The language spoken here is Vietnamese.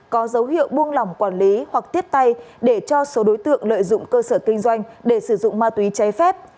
có dấu hiệu buông lỏng quản lý hoặc tiếp tay để cho số đối tượng lợi dụng cơ sở kinh doanh để sử dụng ma túy cháy phép